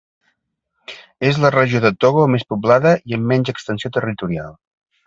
És la regió de Togo més poblada i amb menys extensió territorial.